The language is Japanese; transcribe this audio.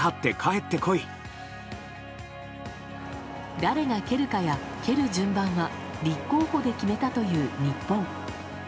誰が蹴るかや蹴る順番は立候補で決めたという日本。